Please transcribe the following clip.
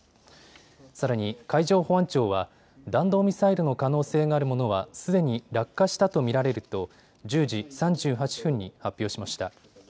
さらに海上保安庁は弾道ミサイルの可能性があるものはすでに落下したと見られると１０時３８分に発表しました。